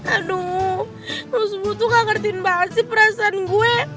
aduh lo sebut tuh gak ngertiin bahasih perasaan gue